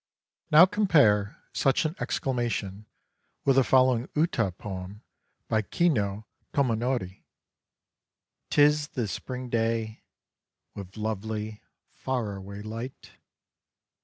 Now compare such an exclamation with the following Uta poem by Ki no Tomonori :'Tis the spring day With lovely far away light